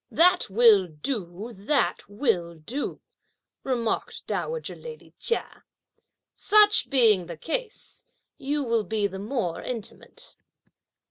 "That will do! that will do!" remarked dowager lady Chia; "such being the case, you will be the more intimate."